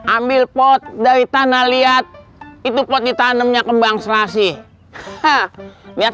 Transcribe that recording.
ambil pot dari tanah lihat itu pot ditanamnya kembang selasih ha ha lihat